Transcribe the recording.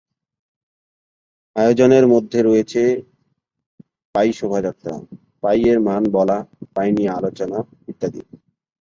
আয়োজনের মধ্যে রয়েছে পাই শোভাযাত্রা, পাই-এর মান বলা, পাই নিয়ে আলোচনা ইত্যাদি।